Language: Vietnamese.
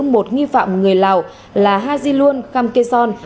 một nghi phạm người lào là hazilun kamkeson